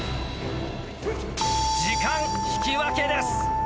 時間引き分けです。